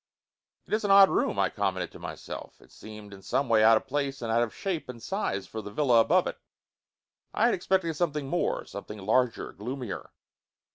"It is an odd room," I commented to myself. It seemed in some way out of place and out of shape and size for the villa above it. I had expected something more, something larger, gloomier.